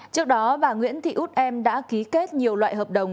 trước đó bà nguyễn thị út em đã ký kết nhiều loại hợp đồng